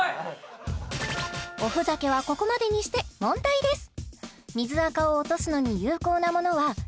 おふざけはここまでにして問題です